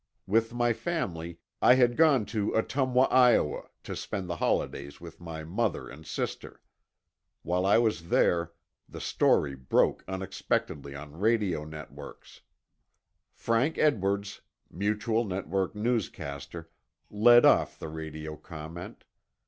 With my family, I had gone to Ottumwa, Iowa, to spend the holidays with my mother and sister. While I was there, the story broke unexpectedly on radio networks. Frank Edwards, Mutual network newscaster, led off the radio comment.